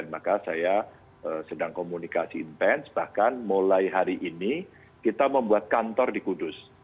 dan maka saya sedang komunikasi intens bahkan mulai hari ini kita membuat kantor di kudus